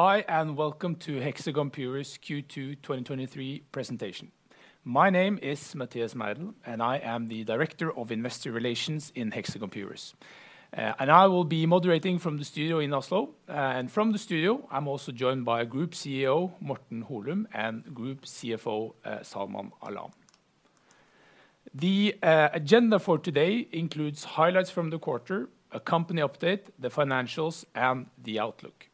Hi, welcome to Hexagon Purus Q2 2023 presentation. My name is Mathias Meidell, and I am the Director of Investor Relations in Hexagon Purus. I will be moderating from the studio in Oslo, and from the studio, I'm also joined by Group CEO, Morten Holum, and Group CFO, Salman Alam. The agenda for today includes highlights from the quarter, a company update, the financials, and the outlook.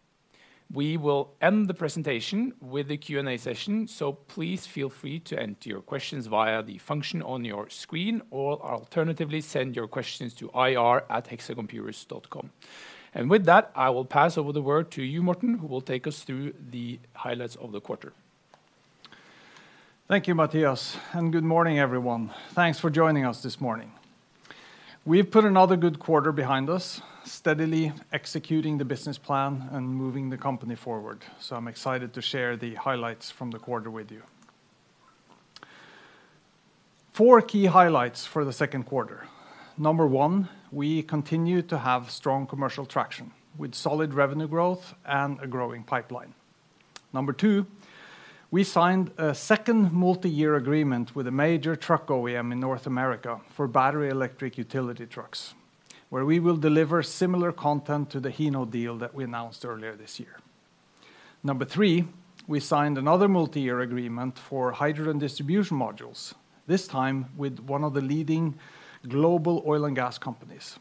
We will end the presentation with a Q&A session, please feel free to enter your questions via the function on your screen, or alternatively, send your questions to ir@hexagonpurus.com. With that, I will pass over the word to you, Morten, who will take us through the highlights of the quarter. Thank you, Mathias, and good morning, everyone. Thanks for joining us this morning. We've put another good quarter behind us, steadily executing the business plan and moving the company forward. I'm excited to share the highlights from the quarter with you. Four key highlights for the second quarter. Number one, we continue to have strong commercial traction, with solid revenue growth and a growing pipeline. Number two, we signed a second multi-year agreement with a major truck OEM in North America for battery electric utility trucks, where we will deliver similar content to the Hino deal that we announced earlier this year. Number three, we signed another multi-year agreement for hydrogen distribution modules, this time with one of the leading global oil and gas companies.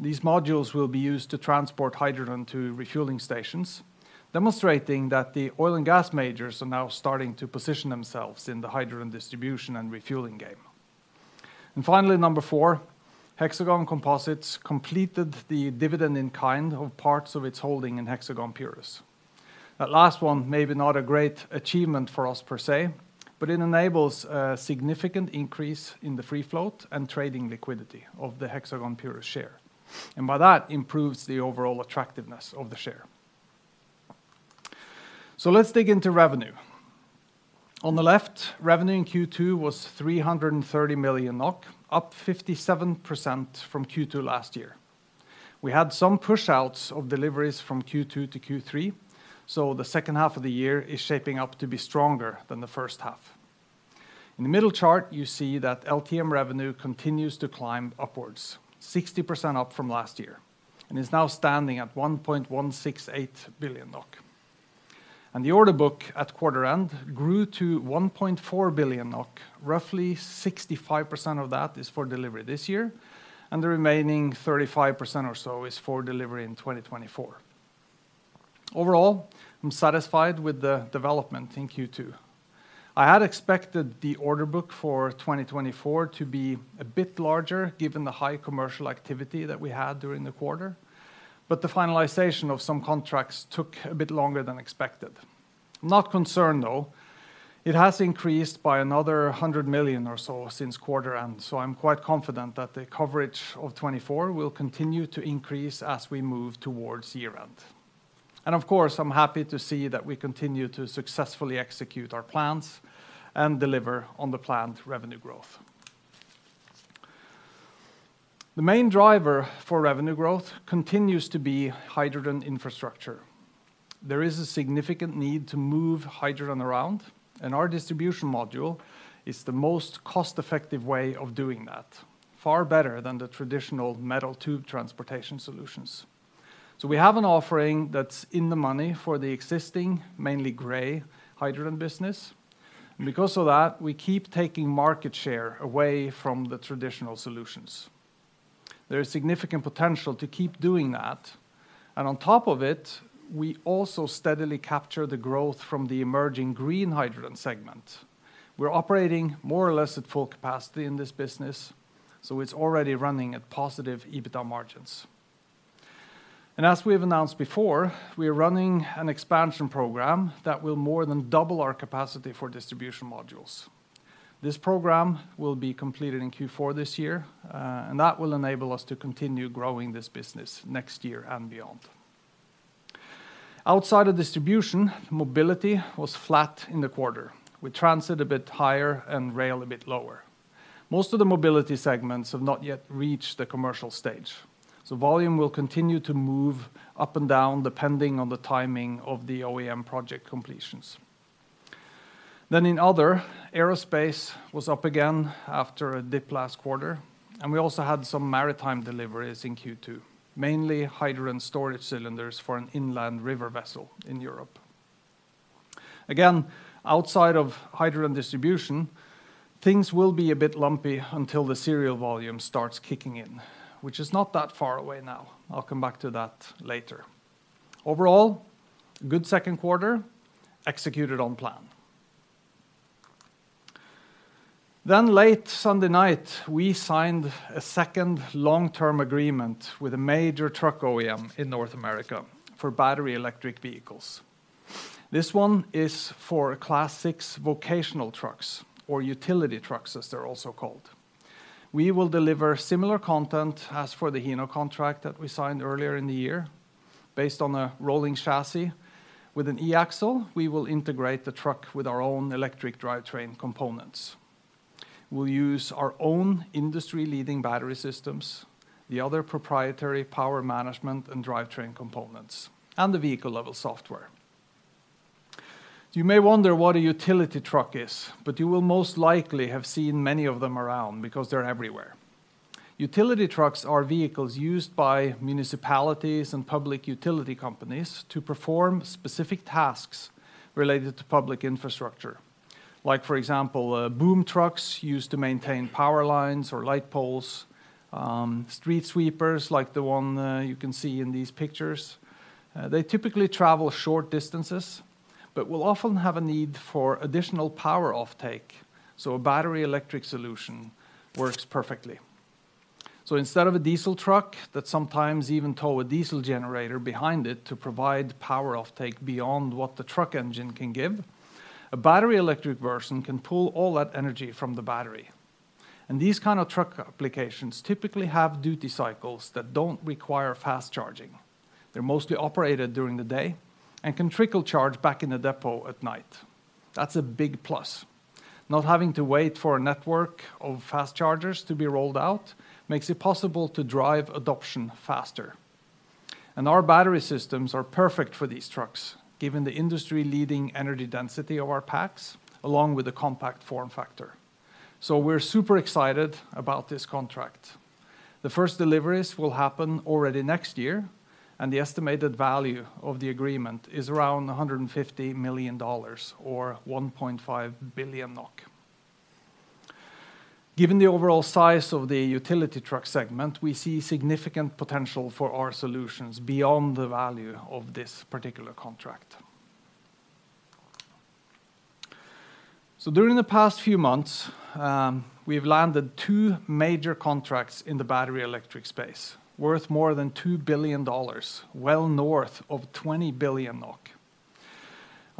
These modules will be used to transport hydrogen to refueling stations, demonstrating that the oil and gas majors are now starting to position themselves in the hydrogen distribution and refueling game. Finally, number four, Hexagon Composites completed the dividend in kind of parts of its holding in Hexagon Purus. That last one may be not a great achievement for us per se, but it enables a significant increase in the free float and trading liquidity of the Hexagon Purus share, and by that, improves the overall attractiveness of the share. Let's dig into revenue. On the left, revenue in Q2 was 330 million NOK, up 57% from Q2 last year. We had some pushouts of deliveries from Q2 to Q3, so the second half of the year is shaping up to be stronger than the first half. In the middle chart, you see that LTM revenue continues to climb upwards, 60% up from last year, is now standing at 1.168 billion NOK. The order book at quarter end grew to 1.4 billion NOK. Roughly 65% of that is for delivery this year, the remaining 35% or so is for delivery in 2024. Overall, I'm satisfied with the development in Q2. I had expected the order book for 2024 to be a bit larger, given the high commercial activity that we had during the quarter, the finalization of some contracts took a bit longer than expected. I'm not concerned, though. It has increased by another 100 million or so since quarter end, I'm quite confident that the coverage of 2024 will continue to increase as we move towards year-end. Of course, I'm happy to see that we continue to successfully execute our plans and deliver on the planned revenue growth. The main driver for revenue growth continues to be hydrogen infrastructure. There is a significant need to move hydrogen around, and our distribution module is the most cost-effective way of doing that, far better than the traditional metal tube transportation solutions. We have an offering that's in the money for the existing, mainly gray, hydrogen business. Because of that, we keep taking market share away from the traditional solutions. There is significant potential to keep doing that, and on top of it, we also steadily capture the growth from the emerging green hydrogen segment. We're operating more or less at full capacity in this business, so it's already running at positive EBITDA margins. As we have announced before, we are running an expansion program that will more than double our capacity for distribution modules. This program will be completed in Q4 this year, and that will enable us to continue growing this business next year and beyond. Outside of distribution, mobility was flat in the quarter, with transit a bit higher and rail a bit lower. Most of the mobility segments have not yet reached the commercial stage, so volume will continue to move up and down, depending on the timing of the OEM project completions. In other, aerospace was up again after a dip last quarter, and we also had some maritime deliveries in Q2, mainly hydrogen storage cylinders for an inland river vessel in Europe. Again, outside of hydrogen distribution, things will be a bit lumpy until the serial volume starts kicking in, which is not that far away now. I'll come back to that later. Overall, good second quarter, executed on plan. Late Sunday night, we signed a second long-term agreement with a major truck OEM in North America for battery electric vehicles. This one is for a Class 6 vocational trucks or utility trucks, as they're also called. We will deliver similar content as for the Hino contract that we signed earlier in the year, based on a rolling chassis. With an e-axle, we will integrate the truck with our own electric drivetrain components. We'll use our own industry-leading battery systems, the other proprietary power management and drivetrain components, and the vehicle-level software. You may wonder what a utility truck is, but you will most likely have seen many of them around because they're everywhere. Utility trucks are vehicles used by municipalities and public utility companies to perform specific tasks related to public infrastructure, like, for example, boom trucks used to maintain power lines or light poles, street sweepers, like the one you can see in these pictures. They typically travel short distances, but will often have a need for additional power offtake, so a battery electric solution works perfectly. Instead of a diesel truck that sometimes even tow a diesel generator behind it to provide power offtake beyond what the truck engine can give, a battery electric version can pull all that energy from the battery. These kind of truck applications typically have duty cycles that don't require fast charging. They're mostly operated during the day and can trickle charge back in the depot at night. That's a big plus. Not having to wait for a network of fast chargers to be rolled out makes it possible to drive adoption faster. Our battery systems are perfect for these trucks, given the industry-leading energy density of our packs, along with the compact form factor. We're super excited about this contract. The first deliveries will happen already next year, and the estimated value of the agreement is around $150 million, or 1.5 billion NOK. Given the overall size of the utility truck segment, we see significant potential for our solutions beyond the value of this particular contract. During the past few months, we've landed two major contracts in the battery electric space, worth more than $2 billion, well north of 20 billion NOK.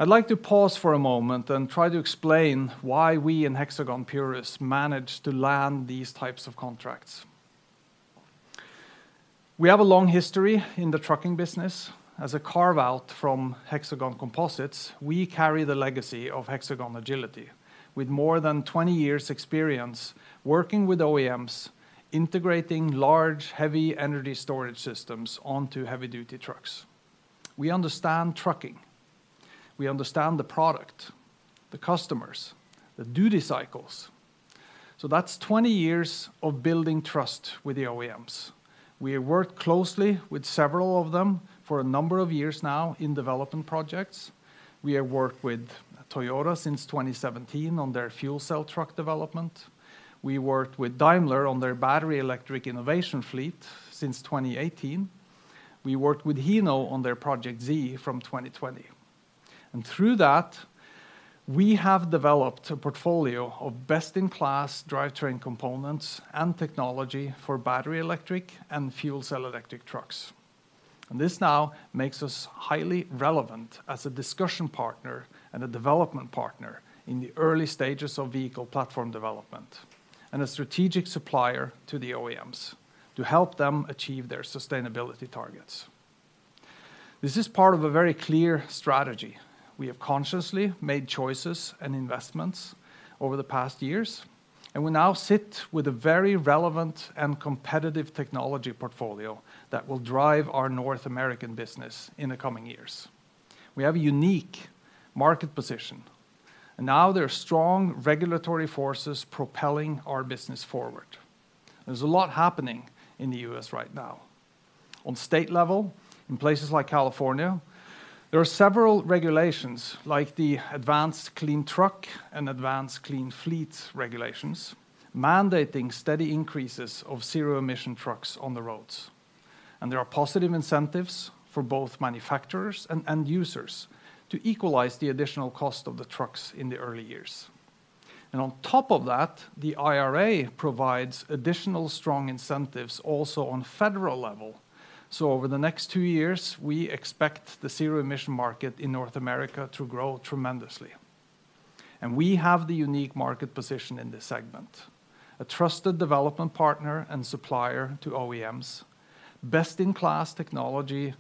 I'd like to pause for a moment and try to explain why we in Hexagon Purus managed to land these types of contracts. We have a long history in the trucking business. As a carve-out from Hexagon Composites, we carry the legacy of Hexagon Agility, with more than 20 years experience working with OEMs, integrating large, heavy energy storage systems onto heavy-duty trucks. We understand trucking. We understand the product, the customers, the duty cycles. That's 20 years of building trust with the OEMs. We have worked closely with several of them for a number of years now in development projects. We have worked with Toyota since 2017 on their fuel cell truck development. We worked with Daimler on their battery electric innovation fleet since 2018. We worked with Hino on their Project Z from 2020. Through that, we have developed a portfolio of best-in-class drivetrain components and technology for battery electric and fuel cell electric trucks. This now makes us highly relevant as a discussion partner and a development partner in the early stages of vehicle platform development, and a strategic supplier to the OEMs to help them achieve their sustainability targets. This is part of a very clear strategy. We have consciously made choices and investments over the past years, and we now sit with a very relevant and competitive technology portfolio that will drive our North American business in the coming years. We have a unique market position, and now there are strong regulatory forces propelling our business forward. There's a lot happening in the U.S. right now. On state level, in places like California, there are several regulations, like the Advanced Clean Trucks and Advanced Clean Fleets regulations, mandating steady increases of zero-emission trucks on the roads. There are positive incentives for both manufacturers and end users to equalize the additional cost of the trucks in the early years. On top of that, the IRA provides additional strong incentives also on federal level. Over the next two years, we expect the zero-emission market in North America to grow tremendously. We have the unique market position in this segment, a trusted development partner and supplier to OEMs, best-in-class technology,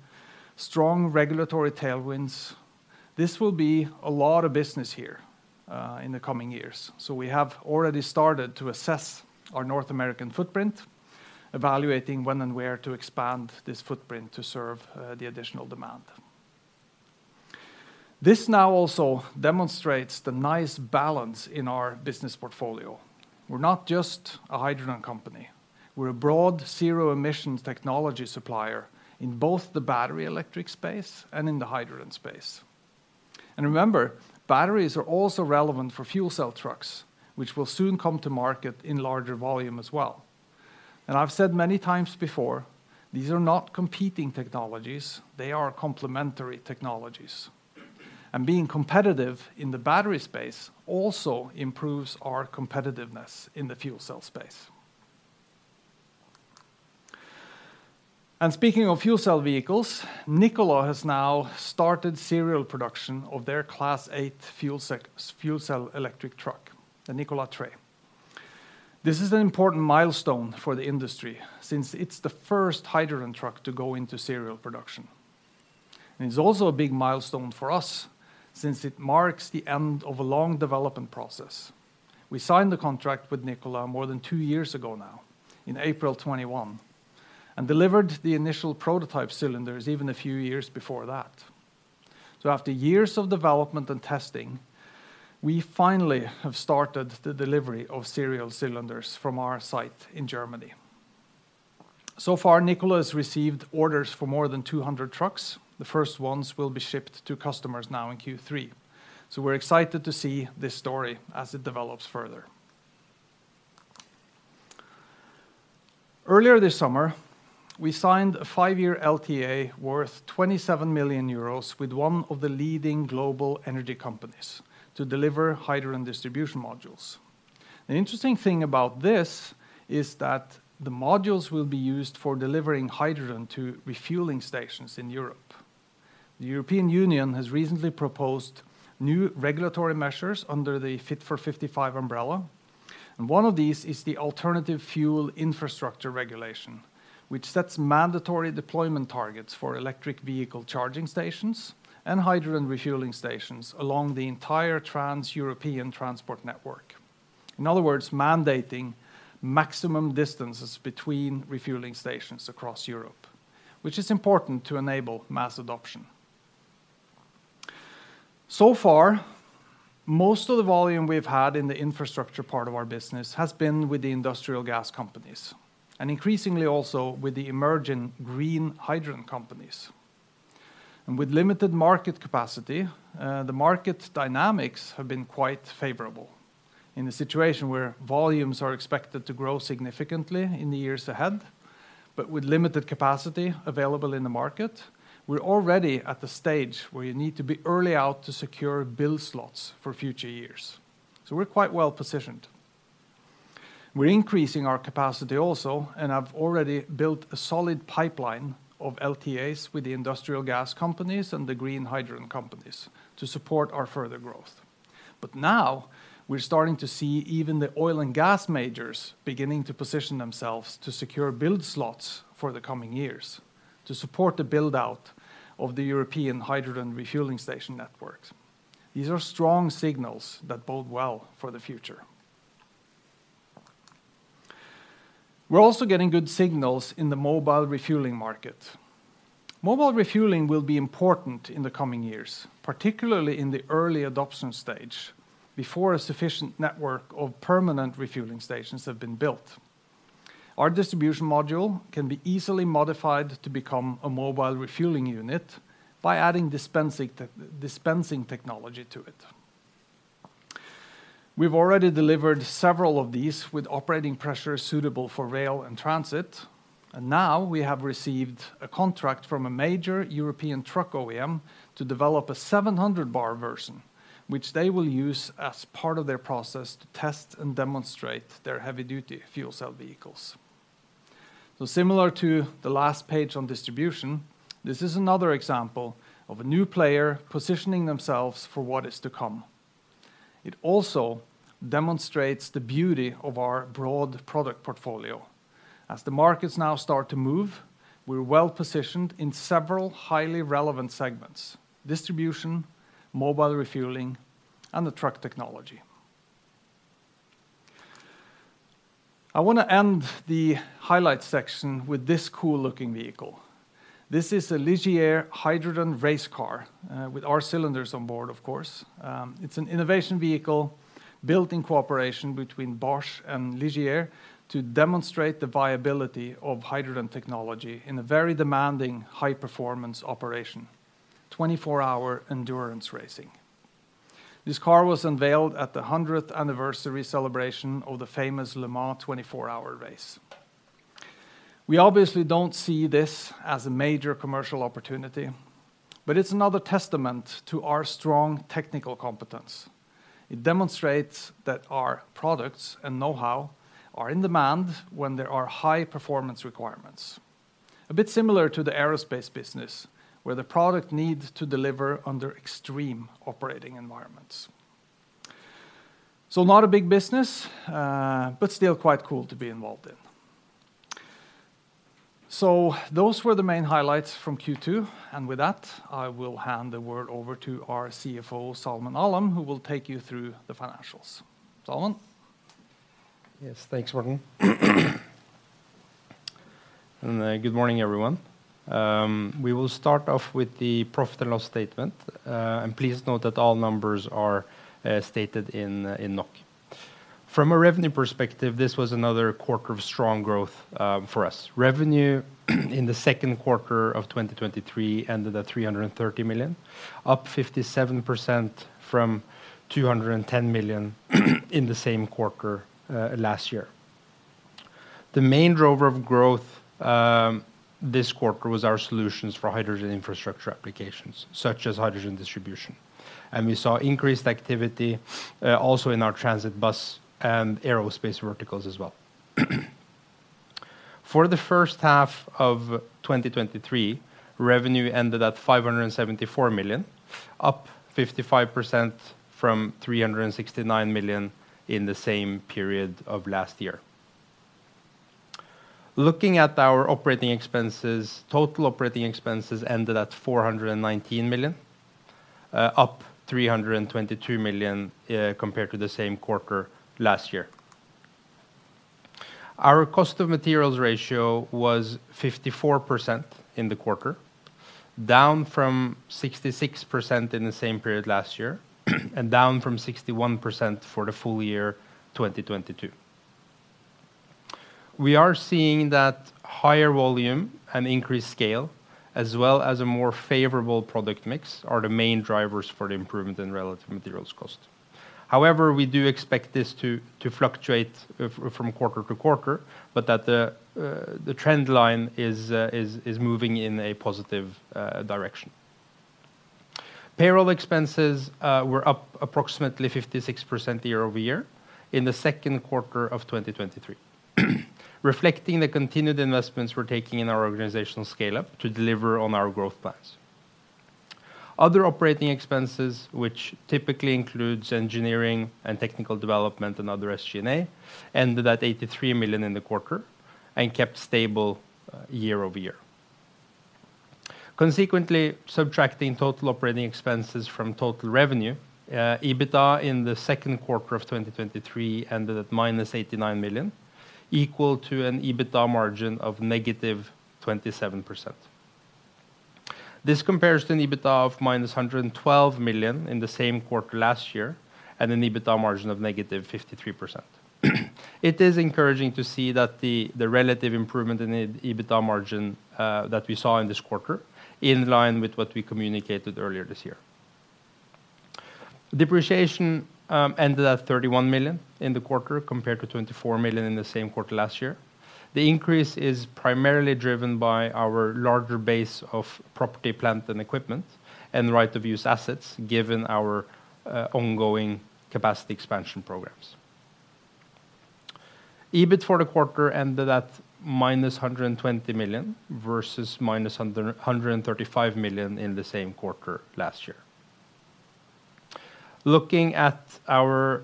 strong regulatory tailwinds. This will be a lot of business here in the coming years. We have already started to assess our North American footprint, evaluating when and where to expand this footprint to serve the additional demand. This now also demonstrates the nice balance in our business portfolio. We're not just a hydrogen company. We're a broad zero-emissions technology supplier in both the battery electric space and in the hydrogen space. Remember, batteries are also relevant for fuel cell trucks, which will soon come to market in larger volume as well. I've said many times before, these are not competing technologies, they are complementary technologies, and being competitive in the battery space also improves our competitiveness in the fuel cell space. Speaking of fuel cell vehicles, Nikola has now started serial production of their Class 8 fuel cell electric truck, the Nikola Tre. This is an important milestone for the industry since it's the first hydrogen truck to go into serial production. It's also a big milestone for us, since it marks the end of a long development process. We signed the contract with Nikola more than two years ago now, in April 2021, and delivered the initial prototype cylinders even a few years before that. After years of development and testing, we finally have started the delivery of serial cylinders from our site in Germany. So far, Nikola has received orders for more than 200 trucks. The first ones will be shipped to customers now in Q3. We're excited to see this story as it develops further. Earlier this summer, we signed a five-year LTA worth 27 million euros with one of the leading global energy companies to deliver hydrogen distribution modules. The interesting thing about this is that the modules will be used for delivering hydrogen to refueling stations in Europe. The European Union has recently proposed new regulatory measures under the Fit for 55 umbrella, one of these is the Alternative Fuels Infrastructure Regulation, which sets mandatory deployment targets for electric vehicle charging stations and hydrogen refueling stations along the entire Trans-European Transport Network. In other words, mandating maximum distances between refueling stations across Europe, which is important to enable mass adoption. Far, most of the volume we've had in the infrastructure part of our business has been with the industrial gas companies, and increasingly also with the emerging green hydrogen companies. With limited market capacity, the market dynamics have been quite favorable. In a situation where volumes are expected to grow significantly in the years ahead, but with limited capacity available in the market, we're already at the stage where you need to be early out to secure build slots for future years. We're quite well-positioned. We're increasing our capacity also, and have already built a solid pipeline of LTAs with the industrial gas companies and the green hydrogen companies to support our further growth. Now, we're starting to see even the oil and gas majors beginning to position themselves to secure build slots for the coming years to support the build-out of the European hydrogen refueling station network. These are strong signals that bode well for the future. We're also getting good signals in the mobile refueling market. Mobile refueling will be important in the coming years, particularly in the early adoption stage, before a sufficient network of permanent refueling stations have been built. Our distribution module can be easily modified to become a mobile refueling unit by adding dispensing technology to it. We've already delivered several of these with operating pressure suitable for rail and transit, and now we have received a contract from a major European truck OEM to develop a 700 bar version, which they will use as part of their process to test and demonstrate their heavy-duty fuel cell vehicles. So similar to the last page on distribution, this is another example of a new player positioning themselves for what is to come. It also demonstrates the beauty of our broad product portfolio. As the markets now start to move, we're well-positioned in several highly relevant segments: distribution, mobile refueling, and the truck technology. I wanna end the highlights section with this cool-looking vehicle. This is a Ligier hydrogen race car, with our cylinders on board, of course. It's an innovation vehicle built in cooperation between Bosch and Ligier to demonstrate the viability of hydrogen technology in a very demanding, high-performance operation: 24-hour endurance racing. This car was unveiled at the 100th anniversary celebration of the famous Le Mans 24-hour race. We obviously don't see this as a major commercial opportunity, it's another testament to our strong technical competence. It demonstrates that our products and know-how are in demand when there are high-performance requirements. A bit similar to the aerospace business, where the product needs to deliver under extreme operating environments. Not a big business, but still quite cool to be involved in. Those were the main highlights from Q2, and with that, I will hand the word over to our CFO, Salman Alam, who will take you through the financials. Salman? Yes, thanks, Morten. Good morning, everyone. We will start off with the profit and loss statement. Please note that all numbers are stated in NOK. From a revenue perspective, this was another quarter of strong growth for us. Revenue in the second quarter of 2023 ended at 330 million, up 57% from 210 million in the same quarter last year. The main driver of growth this quarter was our solutions for hydrogen infrastructure applications, such as hydrogen distribution. We saw increased activity also in our transit bus and aerospace verticals as well. For the first half of 2023, revenue ended at 574 million, up 55% from 369 million in the same period of last year. Looking at our operating expenses, total operating expenses ended at 419 million, up 322 million, compared to the same quarter last year. Our cost of materials ratio was 54% in the quarter, down from 66% in the same period last year, and down from 61% for the full year, 2022. We are seeing that higher volume and increased scale, as well as a more favorable product mix, are the main drivers for the improvement in relative materials cost. However, we do expect this to, to fluctuate, from quarter to quarter, but that the, the trend line is, is, is moving in a positive, direction. Payroll expenses, were up approximately 56% year-over-year in the second quarter of 2023. Reflecting the continued investments we're taking in our organizational scale-up to deliver on our growth plans. Other operating expenses, which typically includes engineering and technical development and other SG&A, ended at 83 million in the quarter and kept stable year-over-year. Consequently, subtracting total operating expenses from total revenue, EBITDA in the second quarter of 2023 ended at -89 million, equal to an EBITDA margin of -27%. This compares to an EBITDA of -112 million in the same quarter last year, and an EBITDA margin of -53%. It is encouraging to see that the, the relative improvement in the EBITDA margin that we saw in this quarter, in line with what we communicated earlier this year. Depreciation ended at 31 million in the quarter, compared to 24 million in the same quarter last year. The increase is primarily driven by our larger base of property, plant, and equipment, and right of use assets, given our ongoing capacity expansion programs. EBIT for the quarter ended at -120 million, versus -135 million in the same quarter last year. Looking at our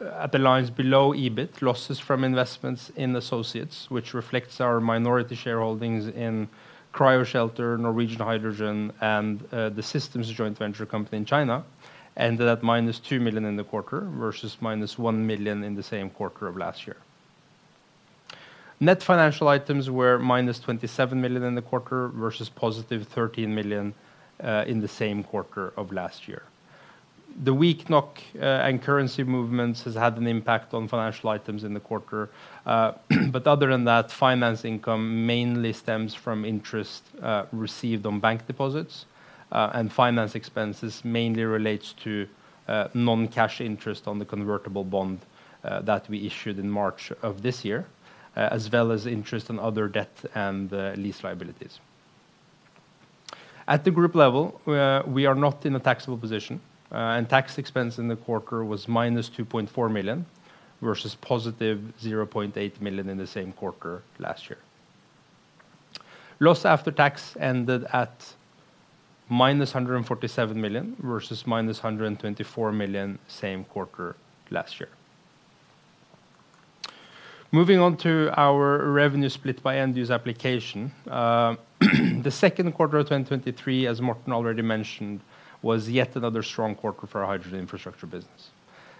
at the lines below EBIT, losses from investments in associates, which reflects our minority shareholdings in Cryoshelter, Norwegian Hydrogen, and the systems joint venture company in China, ended at -2 million in the quarter, versus -1 million in the same quarter of last year. Net financial items were -27 million in the quarter, versus +13 million in the same quarter of last year. The weak NOK and currency movements has had an impact on financial items in the quarter. Other than that, finance income mainly stems from interest received on bank deposits. Finance expenses mainly relates to non-cash interest on the convertible bond that we issued in March of this year, as well as interest on other debt and lease liabilities. At the group level, we are not in a taxable position, tax expense in the quarter was -2.4 million, versus +0.8 million in the same quarter last year. Loss after tax ended at -147 million, versus -124 million, same quarter last year. Moving on to our revenue split by end-use application. The second quarter of 2023, as Morten already mentioned, was yet another strong quarter for our hydrogen infrastructure business.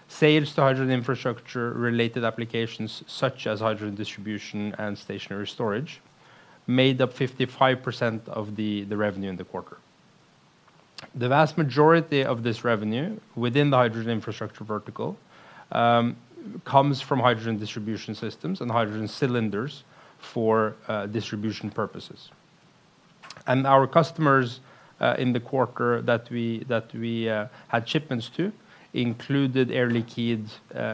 Sales to hydrogen infrastructure-related applications, such as hydrogen distribution and stationary storage, made up 55% of the revenue in the quarter. The vast majority of this revenue within the hydrogen infrastructure vertical, comes from hydrogen distribution systems and hydrogen cylinders for distribution purposes. Our customers in the quarter that we had shipments to included Air Liquide,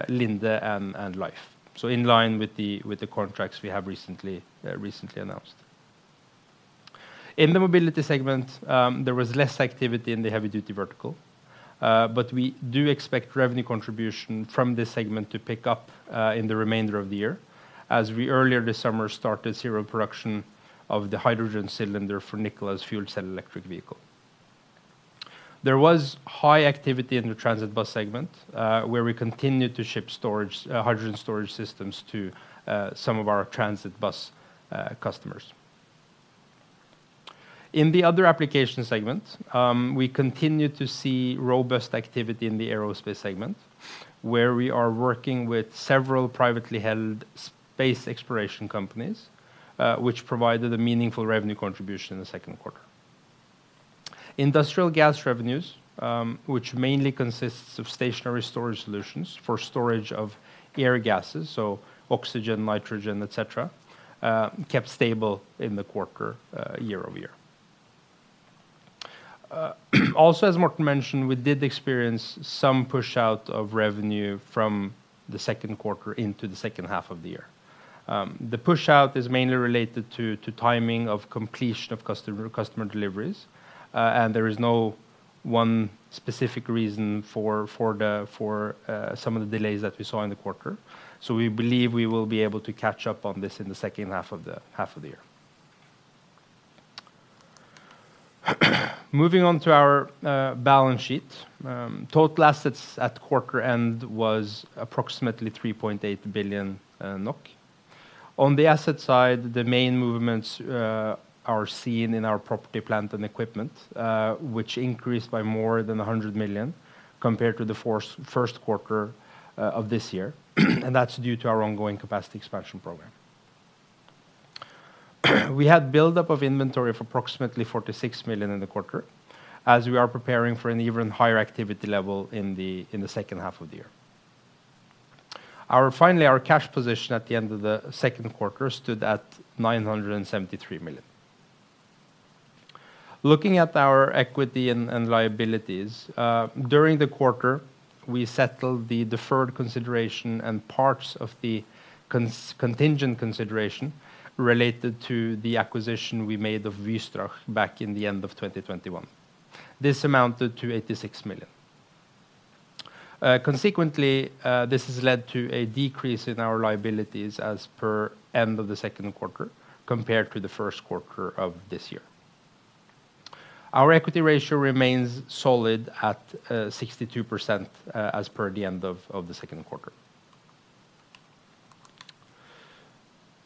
Linde, and Lhyfe. In line with the contracts we have recently announced. In the mobility segment, there was less activity in the heavy-duty vertical, but we do expect revenue contribution from this segment to pick up in the remainder of the year, as we earlier this summer, started serial production of the hydrogen cylinder for Nikola's fuel cell electric vehicle. There was high activity in the transit bus segment, where we continued to ship storage, hydrogen storage systems to some of our transit bus customers. In the other application segment, we continued to see robust activity in the aerospace segment, where we are working with several privately held space exploration companies, which provided a meaningful revenue contribution in the second quarter. Industrial gas revenues, which mainly consists of stationary storage solutions for storage of air gases, so oxygen, nitrogen, et cetera, kept stable in the quarter, year-over-year. Also, as Morten mentioned, we did experience some push out of revenue from the second quarter into the second half of the year. The push out is mainly related to timing of completion of customer deliveries, and there is no one specific reason for some of the delays that we saw in the quarter. We believe we will be able to catch up on this in the second half of the year. Moving on to our balance sheet. Total assets at quarter end was approximately 3.8 billion NOK. On the asset side, the main movements are seen in our property, plant, and equipment, which increased by more than 100 million compared to the first quarter of this year, and that's due to our ongoing capacity expansion program. We had buildup of inventory of approximately 46 million in the quarter, as we are preparing for an even higher activity level in the second half of the year. Finally, our cash position at the end of the second quarter stood at 973 million. Looking at our equity and liabilities during the quarter, we settled the deferred consideration and parts of the contingent consideration related to the acquisition we made of Wystrach back in the end of 2021. This amounted to 86 million. Consequently, this has led to a decrease in our liabilities as per end of the second quarter compared to the first quarter of this year. Our equity ratio remains solid at 62% as per the end of the second quarter.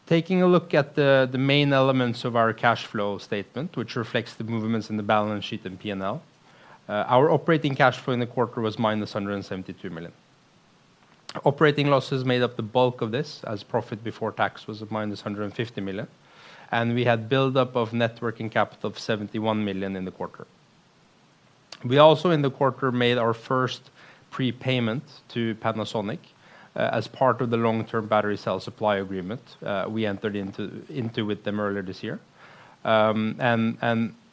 Taking a look at the, the main elements of our cash flow statement, which reflects the movements in the balance sheet and P&L, our operating cash flow in the quarter was -172 million. Operating losses made up the bulk of this, as profit before tax was of -150 million, and we had buildup of net working capital of 71 million in the quarter. We also, in the quarter, made our first prepayment to Panasonic, as part of the long-term battery cell supply agreement, we entered into, into with them earlier this year. And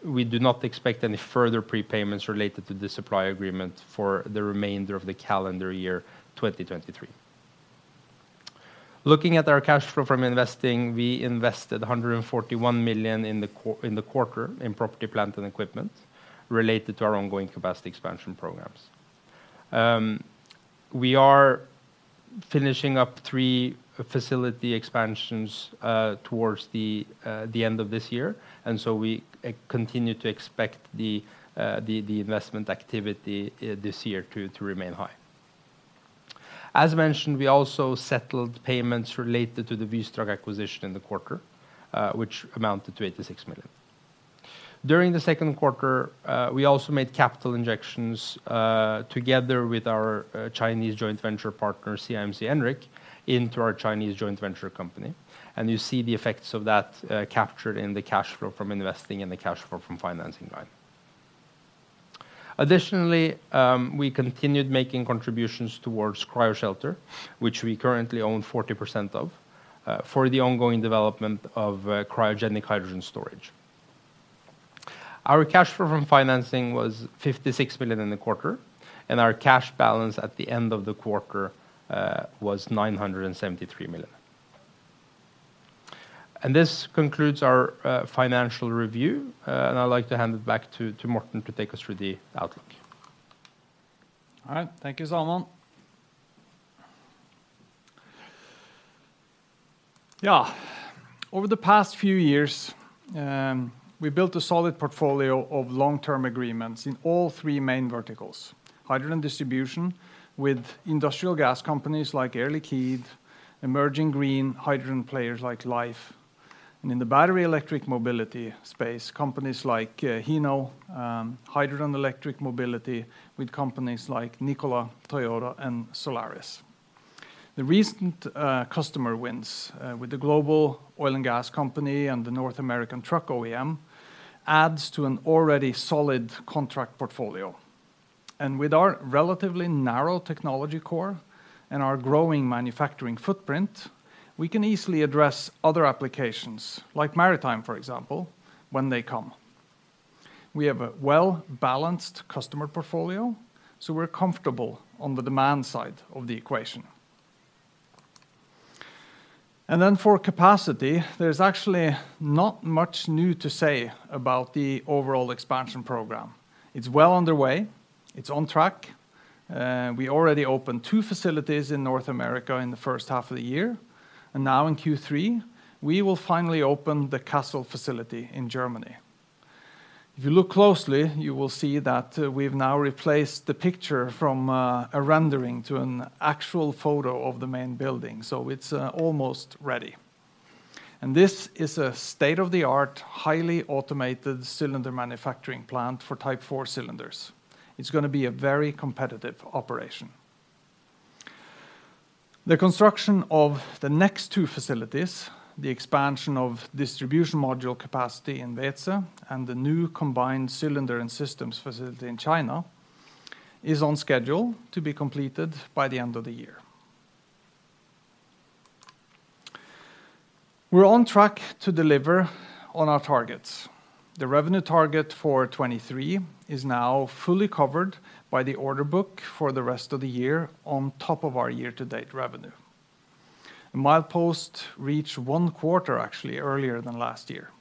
we do not expect any further prepayments related to the supply agreement for the remainder of the calendar year 2023. Looking at our cash flow from investing, we invested 141 million in the quarter in property, plant, and equipment related to our ongoing capacity expansion programs. We are finishing up three facility expansions towards the end of this year, and so we continue to expect the investment activity this year to remain high. As mentioned, we also settled payments related to the Wystrach acquisition in the quarter, which amounted to 86 million. During the second quarter, we also made capital injections together with our Chinese joint venture partner, CIMC Enric, into our Chinese joint venture company, and you see the effects of that captured in the cash flow from investing and the cash flow from financing line. Additionally, we continued making contributions towards Cryoshelter, which we currently own 40% of for the ongoing development of cryogenic hydrogen storage. Our cash flow from financing was 56 million in the quarter, and our cash balance at the end of the quarter was 973 million. This concludes our financial review, and I'd like to hand it back to Morten to take us through the outlook. All right. Thank you, Salman. Yeah. Over the past few years, we built a solid portfolio of long-term agreements in all three main verticals: hydrogen distribution with industrial gas companies like Air Liquide, emerging green hydrogen players like Lhyfe, and in the battery electric mobility space, companies like Hino, hydrogen electric mobility with companies like Nikola, Toyota, and Solaris. The recent customer wins with the global oil and gas company and the North American truck OEM, adds to an already solid contract portfolio. With our relatively narrow technology core and our growing manufacturing footprint, we can easily address other applications, like maritime, for example, when they come. We have a well-balanced customer portfolio, so we're comfortable on the demand side of the equation. Then for capacity, there's actually not much new to say about the overall expansion program. It's well underway. It's on track. We already opened two facilities in North America in the first half of the year, and now in Q3, we will finally open the Kassel facility in Germany. If you look closely, you will see that we've now replaced the picture from a rendering to an actual photo of the main building, so it's almost ready. This is a state-of-the-art, highly automated cylinder manufacturing plant for Type 4 cylinders. It's gonna be a very competitive operation. The construction of the next two facilities, the expansion of distribution module capacity in Weeze, and the new combined cylinder and systems facility in China, is on schedule to be completed by the end of the year. We're on track to deliver on our targets. The revenue target for 2023 is now fully covered by the order book for the rest of the year on top of our year-to-date revenue. The milepost reached one quarter, actually, earlier than last year.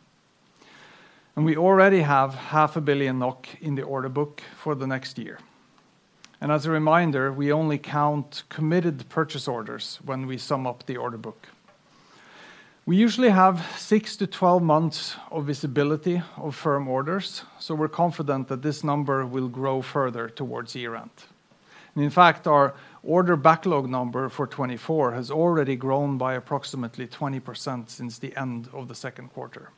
We already have 500 million NOK in the order book for the next year. As a reminder, we only count committed purchase orders when we sum up the order book. We usually have six to 12 months of visibility of firm orders, so we're confident that this number will grow further towards year-end. In fact, our order backlog number for 2024 has already grown by approximately 20% since the end of the second quarter.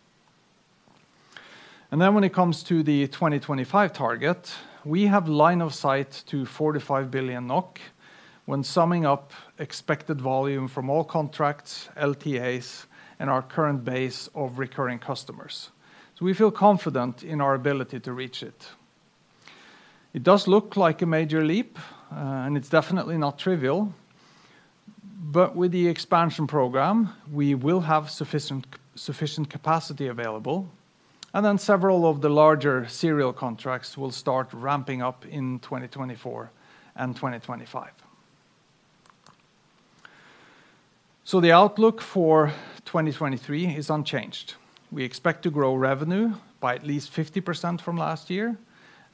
Then when it comes to the 2025 target, we have line of sight to 45 billion NOK when summing up expected volume from all contracts, LTAs, and our current base of recurring customers. We feel confident in our ability to reach it. It does look like a major leap, and it's definitely not trivial, but with the expansion program, we will have sufficient, sufficient capacity available, and then several of the larger serial contracts will start ramping up in 2024 and 2025. The outlook for 2023 is unchanged. We expect to grow revenue by at least 50% from last year,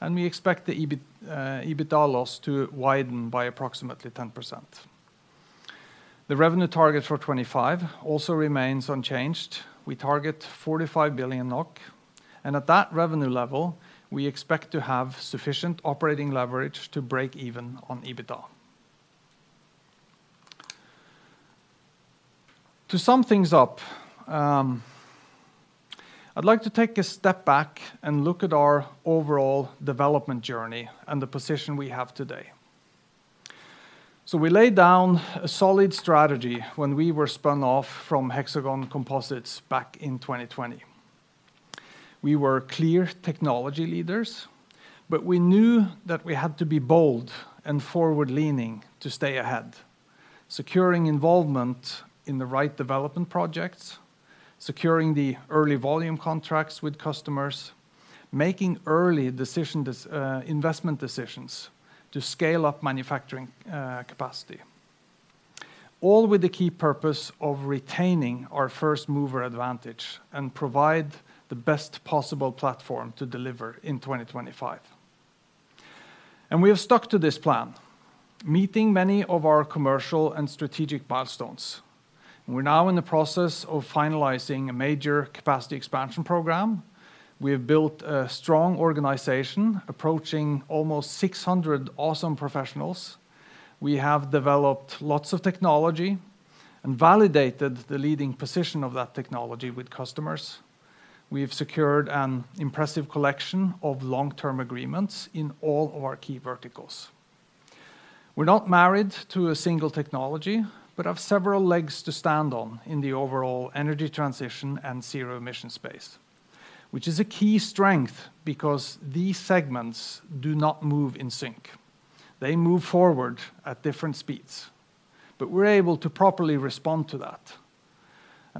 and we expect the EBIT, EBITDA loss to widen by approximately 10%. The revenue target for 2025 also remains unchanged. We target 45 billion NOK, and at that revenue level, we expect to have sufficient operating leverage to break even on EBITDA. To sum things up, I'd like to take a step back and look at our overall development journey and the position we have today. We laid down a solid strategy when we were spun off from Hexagon Composites back in 2020. We were clear technology leaders, but we knew that we had to be bold and forward-leaning to stay ahead, securing involvement in the right development projects, securing the early volume contracts with customers, making early decision, investment decisions to scale up manufacturing, capacity. All with the key purpose of retaining our first-mover advantage and provide the best possible platform to deliver in 2025. We have stuck to this plan, meeting many of our commercial and strategic milestones. We're now in the process of finalizing a major capacity expansion program. We have built a strong organization, approaching almost 600 awesome professionals. We have developed lots of technology and validated the leading position of that technology with customers. We have secured an impressive collection of long-term agreements in all of our key verticals. We're not married to a single technology, but have several legs to stand on in the overall energy transition and zero emission space, which is a key strength because these segments do not move in sync. They move forward at different speeds, but we're able to properly respond to that.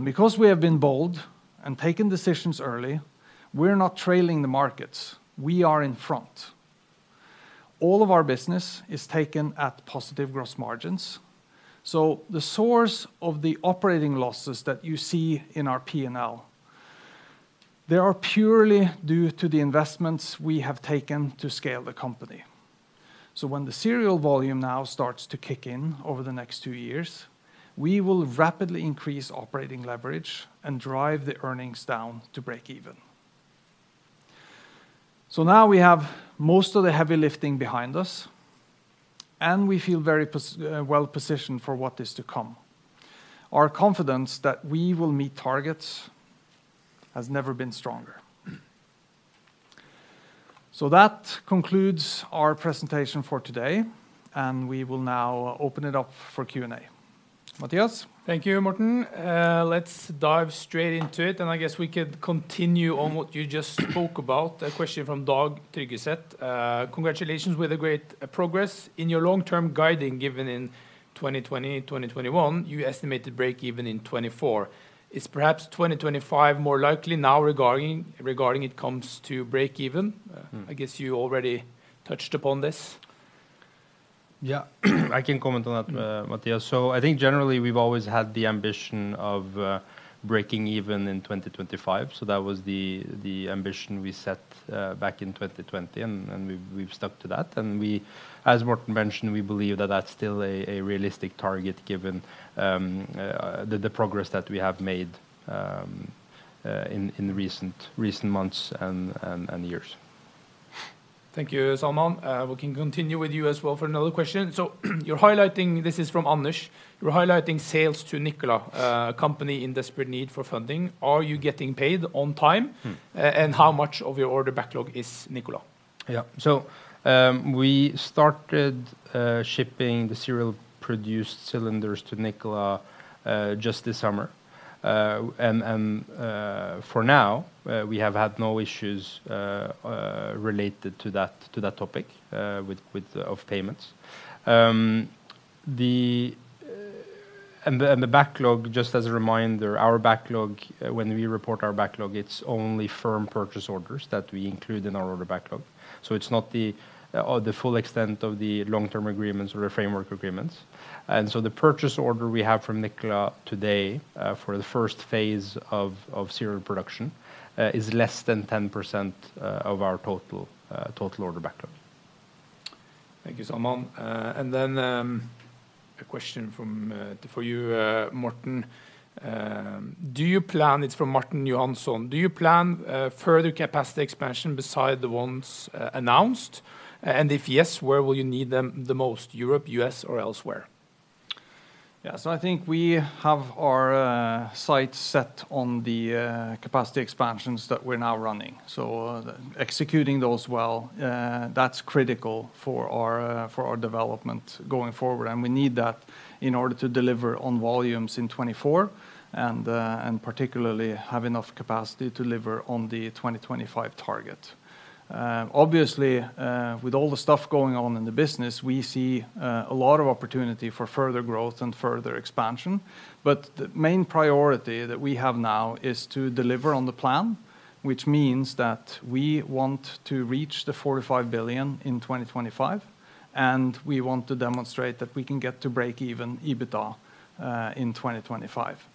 Because we have been bold and taken decisions early, we're not trailing the markets, we are in front. All of our business is taken at positive gross margins, so the source of the operating losses that you see in our P&L, they are purely due to the investments we have taken to scale the company. When the serial volume now starts to kick in over the next two years, we will rapidly increase operating leverage and drive the earnings down to break even. Now we have most of the heavy lifting behind us, and we feel very well positioned for what is to come. Our confidence that we will meet targets has never been stronger. That concludes our presentation for today, and we will now open it up for Q&A. Mathias? Thank you, Morten. Let's dive straight into it, I guess we could continue on what you just spoke about. A question from [Doug Trygaset]. Congratulations with the great progress. In your long-term guiding, given in 2020, 2021, you estimated break even in 2024. Is perhaps 2025 more likely now regarding, regarding it comes to break even? Mm. I guess you already touched upon this. Yeah, I can comment on that, Mathias. Mm-hmm. I think generally, we've always had the ambition of breaking even in 2025. That was the ambition we set back in 2020, and we've stuck to that. As Morten mentioned, we believe that that's still a realistic target, given the progress that we have made in recent months and years. Thank you, Salman. We can continue with you as well for another question. This is from Anush: You're highlighting sales to Nikola, a company in desperate need for funding. Are you getting paid on time? Mm. How much of your order backlog is Nikola? Yeah. We started shipping the serial-produced cylinders to Nikola just this summer. For now, we have had no issues related to that, to that topic, of payments. The backlog, just as a reminder, our backlog, when we report our backlog, it's only firm purchase orders that we include in our order backlog. It's not the full extent of the long-term agreements or the framework agreements. The purchase order we have from Nikola today for the first phase of serial production is less than 10% of our total order backlog. Thank you, Salman. A question from, for you, Morten. It's from Morten Johansson: Do you plan further capacity expansion beside the ones announced? If yes, where will you need them the most, Europe, U.S., or elsewhere? Yeah, I think we have our sights set on the capacity expansions that we're now running. Executing those well, that's critical for our for our development going forward, and we need that in order to deliver on volumes in 2024, and particularly have enough capacity to deliver on the 2025 target. Obviously, with all the stuff going on in the business, we see a lot of opportunity for further growth and further expansion. The main priority that we have now is to deliver on the plan, which means that we want to reach the 45 billion in 2025, and we want to demonstrate that we can get to break-even EBITDA in 2025.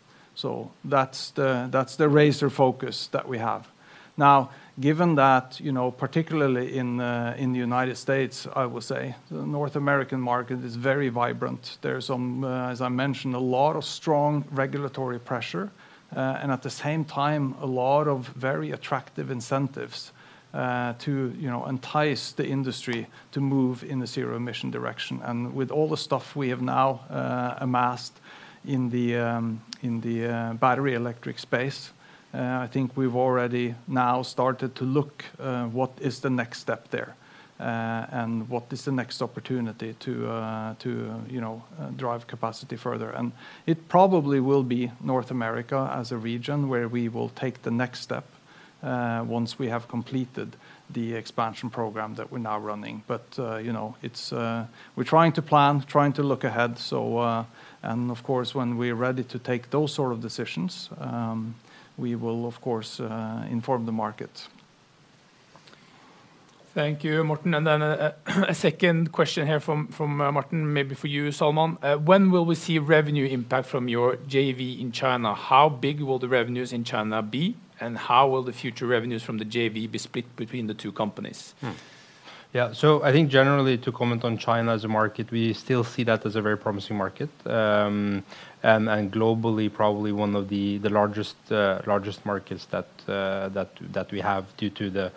That's the, that's the razor focus that we have. Now, given that, you know, particularly in, in the United States, I will say, the North American market is very vibrant. There's, as I mentioned, a lot of strong regulatory pressure, and at the same time, a lot of very attractive incentives, to, you know, entice the industry to move in a zero-emission direction. With all the stuff we have now, amassed in the, in the, battery electric space, I think we've already now started to look, what is the next step there, and what is the next opportunity to, to, you know, drive capacity further. It probably will be North America as a region where we will take the next step, once we have completed the expansion program that we're now running. You know, it's, we're trying to plan, trying to look ahead, so, and of course, when we're ready to take those sort of decisions, we will, of course, inform the market. Thank you, Morten. Then a second question here from Morten, maybe for you, Salman. When will we see revenue impact from your JV in China? How big will the revenues in China be, and how will the future revenues from the JV be split between the two companies? I think generally, to comment on China as a market, we still see that as a very promising market, and globally, probably one of the largest markets that we have due to the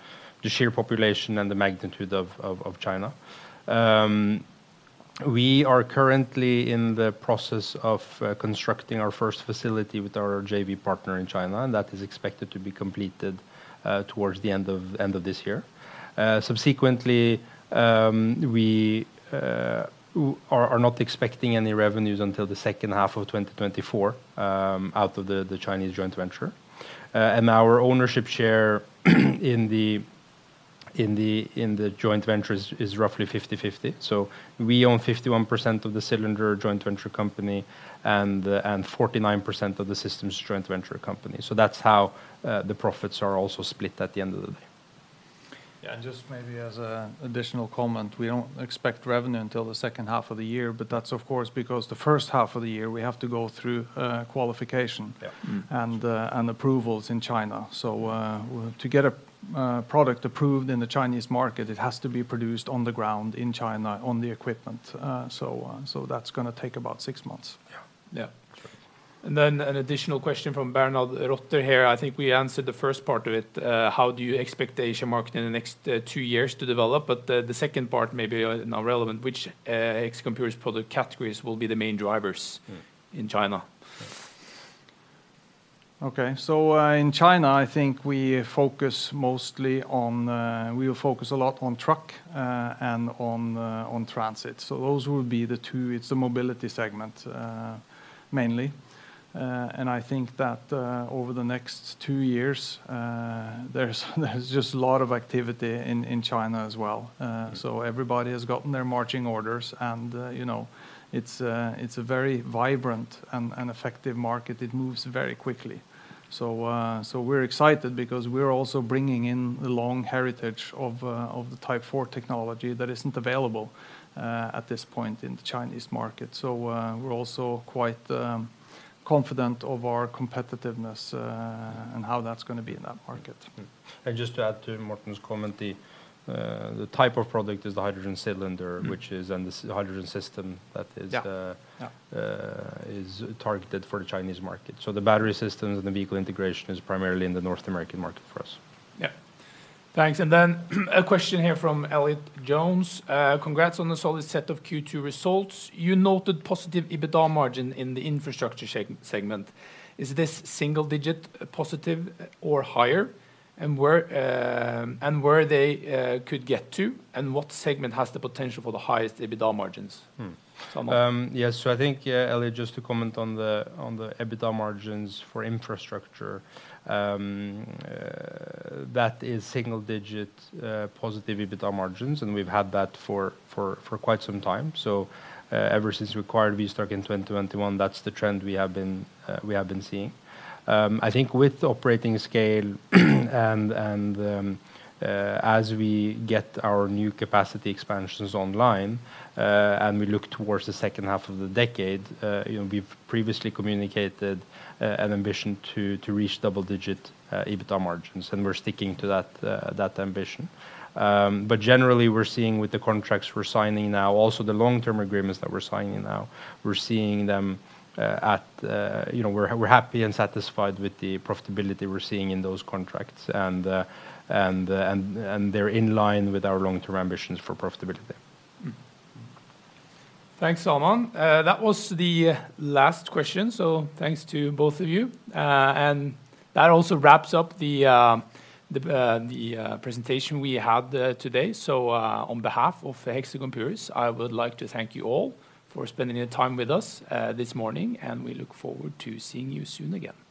sheer population and the magnitude of China. We are currently in the process of constructing our first facility with our JV partner in China, and that is expected to be completed towards the end of this year. Subsequently, we are not expecting any revenues until the second half of 2024 out of the Chinese joint venture. And our ownership share in the joint venture is roughly 50/50. We own 51% of the cylinder joint venture company and the, and 49% of the systems joint venture company. That's how the profits are also split at the end of the day. Yeah, just maybe as an additional comment, we don't expect revenue until the second half of the year, but that's of course, because the first half of the year, we have to go through, qualification. Yeah. Mm. Approvals in China. To get a product approved in the Chinese market, it has to be produced on the ground in China, on the equipment. That's gonna take about six months. Yeah. Yeah. Sure. An additional question from Bernard Rotter here. I think we answered the first part of it. How do you expect the Asian market in the next two years to develop? The, the second part may be now relevant, which Hexagon Purus product categories will be the main drivers. Hmm. In China? Okay. In China, I think we focus mostly on, we'll focus a lot on truck, and on, on transit. Those will be the two. It's the mobility segment, mainly. I think that, over the next two years, there's, there's just a lot of activity in, in China as well. Everybody has gotten their marching orders, and, you know, it's a, it's a very vibrant and, and effective market. It moves very quickly. We're excited because we're also bringing in the long heritage of, of the Type 4 technology that isn't available, at this point in the Chinese market. We're also quite, confident of our competitiveness, and how that's gonna be in that market. Just to add to Morten's comment, the, the type of product is the hydrogen cylinder. Mm. Which is, and the hydrogen system that is. Yeah. Yeah. Is targeted for the Chinese market. The battery systems and the vehicle integration is primarily in the North American market for us. Yeah. Thanks. Then, a question here from Elliott Jones. Congrats on the solid set of Q2 results. You noted positive EBITDA margin in the infrastructure segment. Is this single digit positive or higher? Where, and where they could get to, and what segment has the potential for the highest EBITDA margins? Hmm. Salman? Yes, so I think, Elliott, just to comment on the, on the EBITDA margins for infrastructure, that is single-digit positive EBITDA margins, and we've had that for, for, for quite some time. Ever since we acquired Wystrach in 2021, that's the trend we have been, we have been seeing. I think with operating scale, and, and, as we get our new capacity expansions online, and we look towards the second half of the decade, you know, we've previously communicated an ambition to, to reach double-digit EBITDA margins, and we're sticking to that, that ambition. But generally, we're seeing with the contracts we're signing now, also the long-term agreements that we're signing now, we're seeing them at, you know, we're, we're happy and satisfied with the profitability we're seeing in those contracts, and, and, and, and they're in line with our long-term ambitions for profitability. Thanks, Salman. That was the last question, so thanks to both of you. That also wraps up the presentation we had today. On behalf of Hexagon Purus, I would like to thank you all for spending your time with us this morning, and we look forward to seeing you soon again.